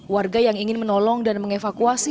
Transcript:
warga yang ingin menolong dan mengevakuasi